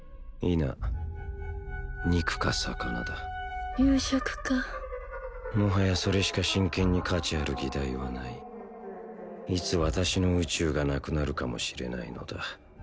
否肉か魚だ夕食かもはやそれしか真剣に価値ある議題はないいつ私の宇宙がなくなるかもしれないのだ